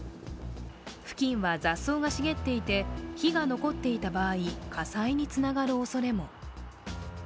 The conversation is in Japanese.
付近は雑草が茂っていて、火が残っていた場合、火災につながるおそれも。